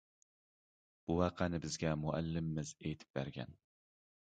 بۇ ۋەقەنى بىزگە مۇئەللىمىمىز ئېيتىپ بەرگەن.